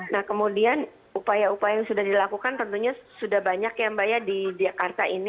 nah kemudian upaya upaya yang sudah dilakukan tentunya sudah banyak ya mbak ya di jakarta ini